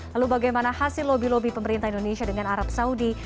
lalu bagaimana hasil lobby lobby pemerintah indonesia dengan arab saudi